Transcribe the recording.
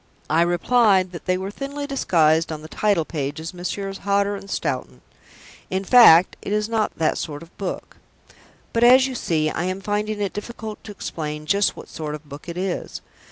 I replied that they were thinly disguised on the title page as Messrs. Hodder & Stoughton. In fact, it is not that sort of book. But, as you see, I am still finding it difficult to explain just what sort of book it is.